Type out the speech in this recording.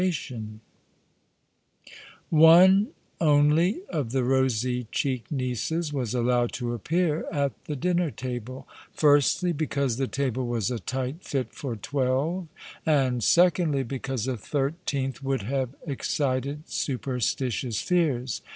All along the River, One only of the rosy cheeked nieces was allowed to ai^pear at the dinner table ; firstly because the table was a tight fit for twelve, and secondly because a thirteenth would have excited superstitious fears.